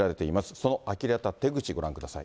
そのあきれた手口、ご覧ください。